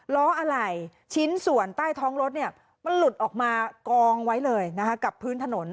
ล้ออะไรชิ้นส่วนใต้ท้องรถเนี่ยมันหลุดออกมากองไว้เลยนะคะกับพื้นถนน